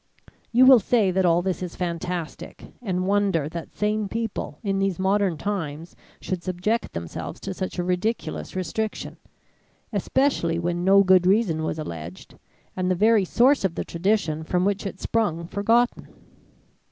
You will say that all this is fantastic, and wonder that sane people in these modern times should subject themselves to such a ridiculous restriction, especially when no good reason was alleged, and the very source of the tradition from which it sprung forgotten.